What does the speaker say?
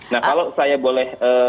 nah kalau saya boleh